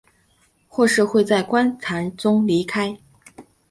或是会在棺材中离开。